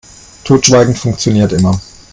Totschweigen funktioniert immer.